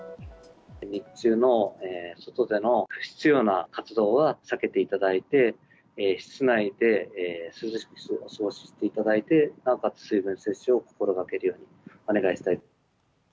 日中の外での不必要な活動は避けていただいて、室内で涼しく過ごしていただいて、なおかつ水分摂取を心がけるようにお願いしたい。